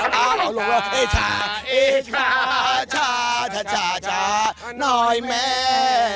เอ้ยชาเอ้ยชาชาชาชาชาน้อยแม่